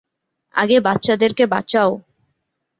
আগে বাচ্চাদেরকে বাঁচাও।